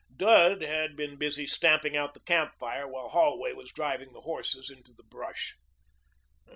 Dud had been busy stamping out the camp fire while Holway was driving the horses into the brush.